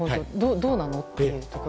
どうなの？というところ。